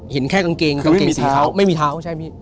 เห็นแค่กางเกงสีเท้าไม่มีเท้าใช่พี่